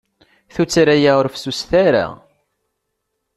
Tuttra-a ur fessuset ara.